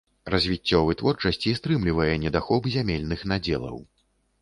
Развіццё вытворчасці стрымлівае недахоп зямельных надзелаў.